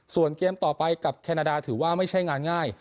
ส่วนเกมต่อไปกับแคนาดาถือว่าไม่ใช่งานง่าย